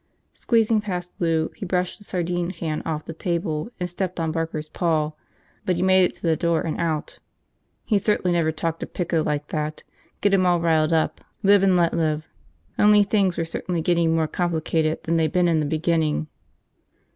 Squeezing past Lou, he brushed the sardine can off the table and stepped on Barker's paw; but he made it to the door and out. He'd certainly never talk to Pico like that, get him all riled up. Live and let live. Only things were certainly getting more complicated than they'd been in the beginning.